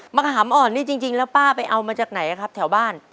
หามอ่อนนี่จริงแล้วป้าไปเอามาจากไหนครับแถวบ้าน